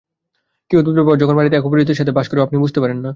কি অদ্ভুত ব্যাপার যখন বাড়িতে এক অপরিচিতের সাথে বাস করেও আপনি বুঝতে পারেন না।